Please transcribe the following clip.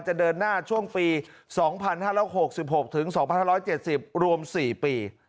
จะเดินหน้าช่วงปี๒๕๖๖ถึง๒๕๗๐รวม๔ปี